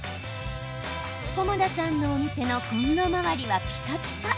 菰田さんのお店のコンロ周りはピカピカ。